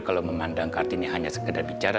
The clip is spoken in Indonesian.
kalau memandang kartini hanya sekedar bicara